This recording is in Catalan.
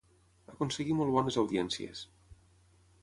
Aconseguí molt bones audiències.